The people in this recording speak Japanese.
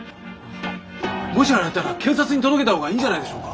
もしあれだったら警察に届けたほうがいいんじゃないでしょうか？